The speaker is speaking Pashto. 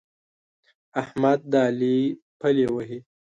احمد د علي پلې وهي.